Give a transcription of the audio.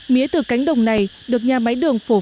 mía từ cánh đồng này được nhà máy đường phổ biến